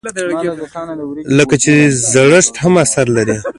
لکه چې زړښت هم اثر لري.